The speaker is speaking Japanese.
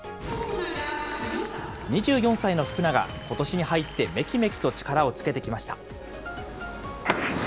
２４歳の福永、ことしに入って、めきめきと力をつけてきました。